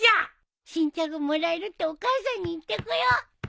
新茶がもらえるってお母さんに言ってこよう。